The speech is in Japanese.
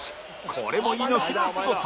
これも猪木のすごさ